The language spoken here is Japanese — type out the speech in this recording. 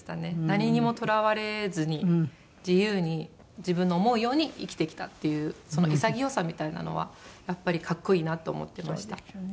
何にもとらわれずに自由に自分の思うように生きてきたっていうその潔さみたいなのはやっぱり格好いいなって思ってました。